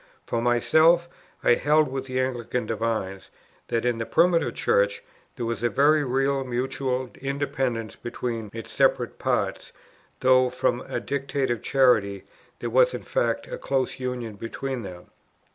For myself, I held with the Anglican divines, that, in the Primitive Church, there was a very real mutual independence between its separate parts, though, from a dictate of charity, there was in fact a close union between them.